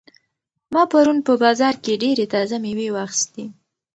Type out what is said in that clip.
ما پرون په بازار کې ډېرې تازه مېوې واخیستې.